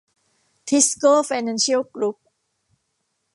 ทิสโก้ไฟแนนเชียลกรุ๊ป